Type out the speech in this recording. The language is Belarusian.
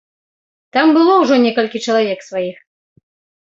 Там было ўжо некалькі чалавек сваіх.